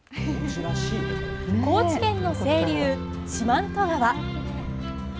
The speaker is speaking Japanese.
高知県の清流、四万十川。